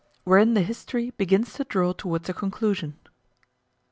Wherein the history begins to draw towards a conclusion.